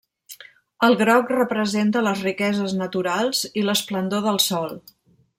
El groc representa les riqueses naturals i l'esplendor del sol.